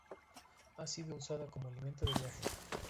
Ha sido usada como alimento de viaje.